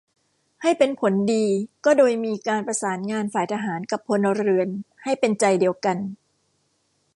ให้เป็นผลดีก็โดยมีการประสานงานฝ่ายทหารกับพลเรือนให้เป็นใจเดียวกัน